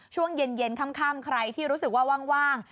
ช่วงเย็นค่ำใครที่รู้สึกว่าว่าง